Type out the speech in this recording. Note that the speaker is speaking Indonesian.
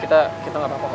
kita kita enggak apa apa pak